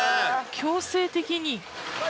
強制的に。